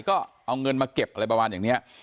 ก็เอาเงินมาเก็บอะไรประมาณอย่างนี้